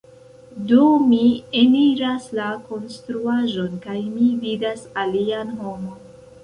Do mi eniras la konstruaĵon kaj mi vidas alian homon.